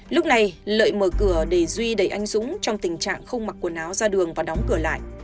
lúc này lợi mở cửa để duy đẩy anh dũng trong tình trạng không mặc quần áo ra đường và đóng cửa lại